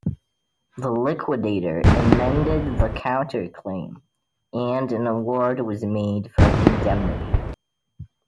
The liquidator amended the counter claim, and an award was made for indemnity.